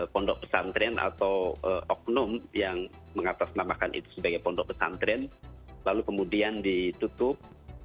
pondok pesantren atau oknum yang mengatasnamakan itu sebagai pondok pesantren lalu kemudian ditutup